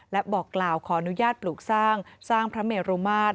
และบอกกล่าวขออนุญาตปลูกสร้างสร้างพระเมรุมาตร